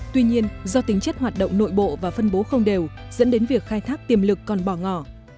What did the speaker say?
tuy nhiên do tính chất hoạt động nội bộ và phân bố không đều dẫn đến việc khai thác tiềm lực còn bỏ ngỏ